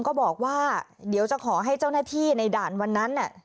ก็บอกว่าเดี๋ยวจะขอให้เจ้าหน้าที่ในด่านวันนั้น